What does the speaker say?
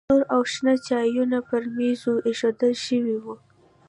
تور او شنه چایونه پر میزونو ایښودل شوي وو.